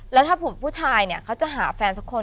แล้วถ้าผู้ชายเนี่ยเขาจะหาแฟนสักคน